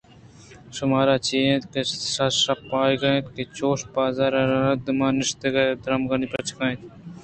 شمارا چے اِنت کہ سرشپ ئیگ اِنت کہ چوش بازا رءِ مردماں نشتگ ءُ دگرٛانی پچُکان اِت